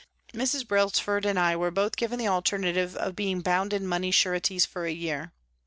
Mrs. Brailsford and I were both given the alternative of being bound in money sureties for a year.